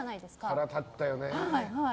腹立ったよね。